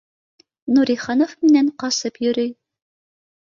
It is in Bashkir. Нуриханов минән ҡасып йөрөй